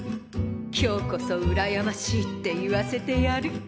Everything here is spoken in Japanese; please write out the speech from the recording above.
今日こそ「うらやましい」って言わせてやる。